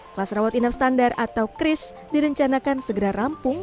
kelas rawat inap standar atau kris direncanakan segera rampung